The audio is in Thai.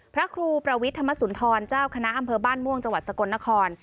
พระครูประวิทธรรมสุนทรเจ้าคณะอำเภอบ้านม่วงจังหวัดสกลนคร